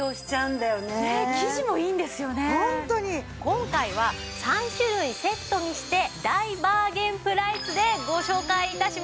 今回は３種類セットにして大バーゲンプライスでご紹介致します。